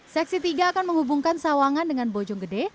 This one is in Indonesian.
seksi tiga akan menghubungkan sawangan dengan bojonggede